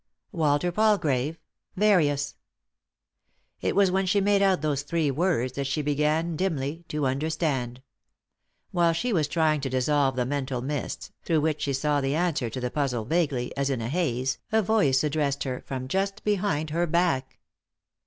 " Walter Palgrave. — Various." It was when she had made out those three words that she began, dimly, to understand. While she was trying to dissolve the mental mists ■ through which she saw the answer to the puzzle vaguely, as in a haze, a voice addressed her from just behind her back.